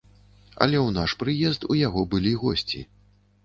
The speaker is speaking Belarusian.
Але ў наш прыезд у яго былі госці.